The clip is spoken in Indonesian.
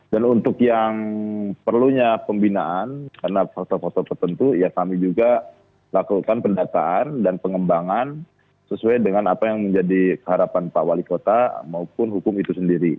dan untuk yang perlunya pembinaan karena faktor faktor tertentu ya kami juga lakukan pendataan dan pengembangan sesuai dengan apa yang menjadi keharapan pak wali kota maupun hukum itu sendiri